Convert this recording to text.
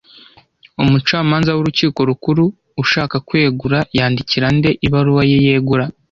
Umucamanza w'Urukiko Rukuru ushaka kwegura yandikira nde ibaruwa ye yegura